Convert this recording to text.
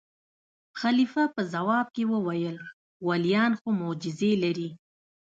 خلیفه په ځواب کې وویل: ولیان خو معجزې لري.